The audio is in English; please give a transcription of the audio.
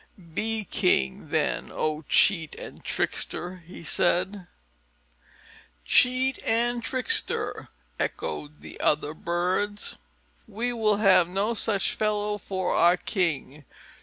"Be king, then, O cheat and trickster!" he said. "Cheat and trickster!" echoed the other birds. "We will have no such fellow for our king.